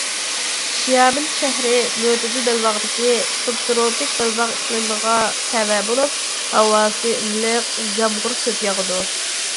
شيامېن شەھىرى مۆتىدىل بەلباغدىكى سۇبتروپىك بەلباغ ئىقلىمىغا تەۋە بولۇپ، ھاۋاسى ئىللىق، يامغۇر كۆپ ياغىدۇ.